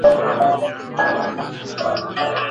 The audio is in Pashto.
ما خپل پام د هغې خبرو ته اړولی و.